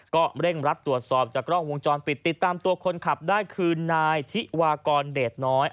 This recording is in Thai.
ก็เร่งรัดตรวจสอบจากกล้องวงจรปิดติดตามตัวคนขับได้คือนายธิวากรเดชน้อย